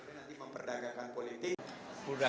kedua nanti mengalami perubahan perubahan